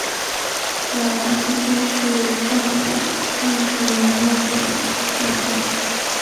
了凡四训正是袁要给儿子的训示。